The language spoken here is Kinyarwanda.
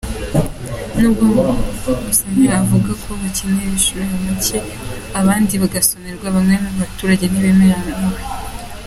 Nubwo Rusanganwa avuga ko abakene bishyura make abandi bagasonerwa, bamwe mu baturage ntibimeranya nawe.